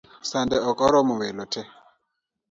Sande ok oromo welo tee